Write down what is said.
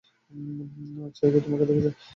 ছায়া কি তোমাকে দেখেছে?